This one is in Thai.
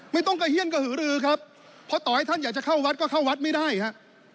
ไม่ต้องกระเฮียนกระหือรือครับเพราะต่อให้ท่านอยากจะเข้าวัดก็เข้าวัดไม่ได้ฮะ